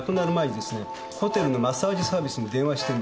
ホテルのマッサージサービスに電話してんですよ。